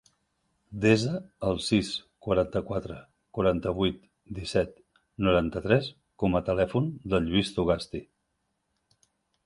Desa el sis, quaranta-quatre, quaranta-vuit, disset, noranta-tres com a telèfon del Lluís Zugasti.